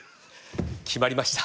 決まりました。